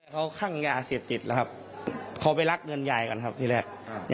เขาคั่งยาเสพติดแล้วครับเขาไปรักเงินยายกันครับที่แรก